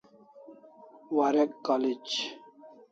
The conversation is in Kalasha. Warek college